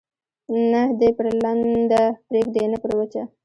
نه دي پر لنده پرېږدي، نه پر وچه.